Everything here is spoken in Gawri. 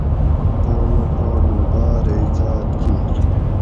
توم اٞ پا مُوں باٞر عِزاٞت کِیر